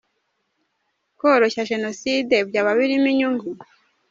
Kworoshya Jenoside byaba birimo inyungu ?